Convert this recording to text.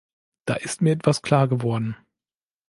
Da ist mir etwas klar geworden.